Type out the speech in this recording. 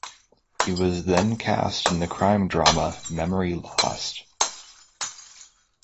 He was then cast in the crime drama "Memory Lost".